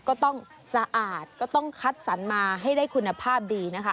สะอาดก็ต้องคัดสรรมาให้ได้คุณภาพดีนะคะ